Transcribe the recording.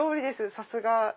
さすが。